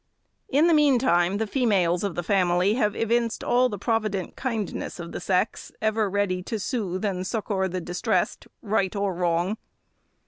In the meantime the females of the family have evinced all the provident kindness of the sex, ever ready to soothe and succour the distressed, right or wrong.